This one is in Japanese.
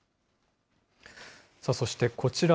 そしてこちら。